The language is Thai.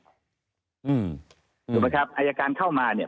ถูกไหมครับอายการเข้ามาเนี่ย